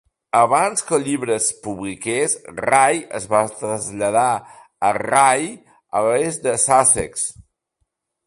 Abans que el llibre es publiqués, Ray es va traslladar a Rye, a l'est de Sussex.